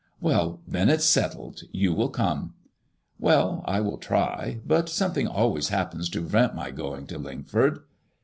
" Well, then ifs settled. You will come." "Well, I will try; but some thing always happens to prevent my going to Lingford."